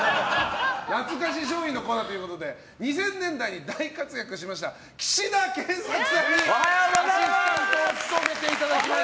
懐かし商品のアシスタントということで２０００年代に大活躍しました岸田健作さんにアシスタントを務めていただきます。